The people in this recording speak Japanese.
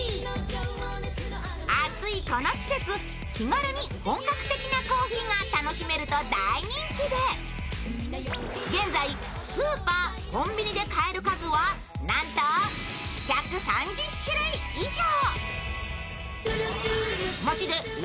暑いこの季節、気軽に本格的なコーヒーが楽しめると大人気で現在、スーパー・コンビニで買える数はなんと１３０種類以上。